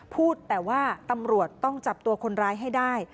พูดแต่ว่าตำรวจต้องจับตัวคนร้ายให้ได้